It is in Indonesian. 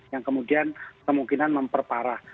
yang kemudian kemungkinan memperparah